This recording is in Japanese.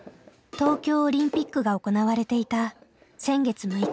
東京オリンピックが行われていた先月６日。